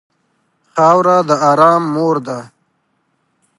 خاوره د ارام مور ده.